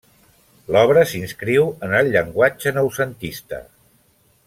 L'obra s'inscriu en el llenguatge noucentista.